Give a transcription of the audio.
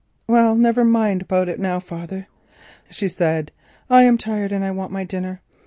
"Well, never mind about it now, father," she said; "I am tired and want my dinner.